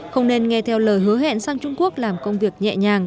không nên nghe theo lời hứa hẹn sang trung quốc làm công việc nhẹ nhàng